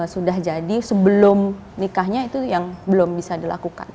sudah jadi sebelum nikahnya itu yang belum bisa dilakukan